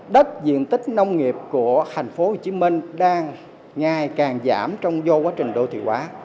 đất diện tích nông nghiệp của thành phố hồ chí minh đang ngày càng giảm trong vô quá trình đô thị quả